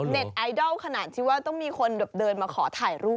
ไอดอลขนาดที่ว่าต้องมีคนเดินมาขอถ่ายรูป